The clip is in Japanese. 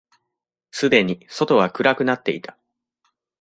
すでに外は暗くなっていた。